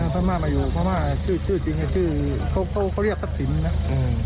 พม่ามาอยู่พม่าชื่อจริงชื่อเขาเรียกทรัพย์สินนะ